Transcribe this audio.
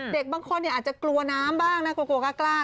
เด็กบางคนอาจจะกลัวน้ำบ้างน่ากลัวกล้า